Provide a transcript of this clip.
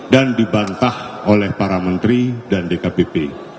dan dibantah oleh para menteri dan dkpp